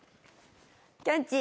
きょんちぃ。